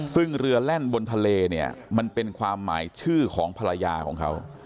ซึ่งเรือแล่นบนทะเลเนี่ยมันเป็นความหมายชื่อของภรรยาของเขา